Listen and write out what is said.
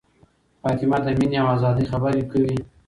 فاطمه د مینې او ازادۍ خبرې کوي.